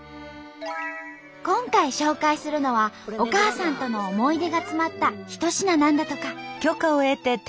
今回紹介するのはお母さんとの思い出が詰まった一品なんだとか。